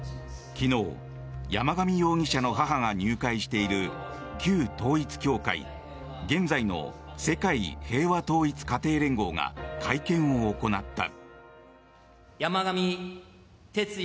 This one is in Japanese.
昨日、山上容疑者の母が入会している旧統一教会現在の世界平和統一家庭連合が会見を行った。